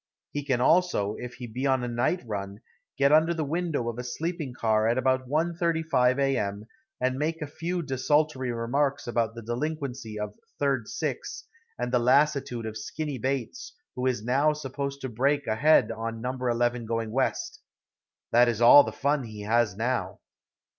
He can also, if he be on a night run, get under the window of a sleeping car at about 1:35 a. m., and make a few desultory remarks about the delinquency of "Third Six" and the lassitude of Skinny Bates who is supposed to brake ahead on No. 11 going west. That is all the fun he has now.